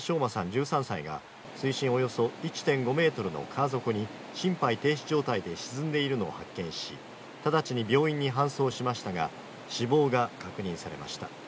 １３歳が水深およそ１．５ｍの川底に心肺停止状態で沈んでいるのを発見し直ちに病院に搬送しましたが、死亡が確認されました。